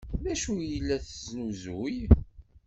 D acu ay la tesnuzuy?